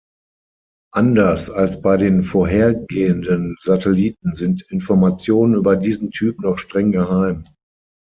Anders als bei den vorhergehenden Satelliten sind Informationen über diesen Typ noch streng geheim.